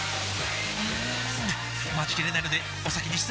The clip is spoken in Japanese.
うーん待ちきれないのでお先に失礼！